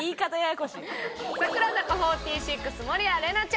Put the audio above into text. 櫻坂４６守屋麗奈ちゃんです。